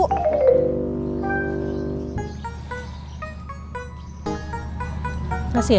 terima kasih ya